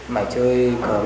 tại hóa thu nhập